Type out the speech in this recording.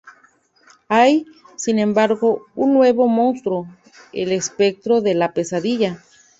Hay, sin embargo, un nuevo monstruo, el espectro de la pesadilla.